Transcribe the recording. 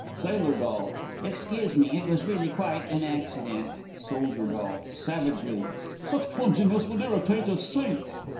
Sail. D. Excuse me, it was really quite an accident. Sold. D. (savagely). Such clumsiness would irritate a saint!